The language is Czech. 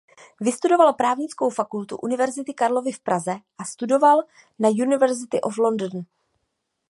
Vystudoval Právnickou fakultu Univerzity Karlovy v Praze a studoval na University of London.